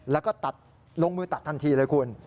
แล้วก็ตัดลงมือตัดทันทีเลยคุณ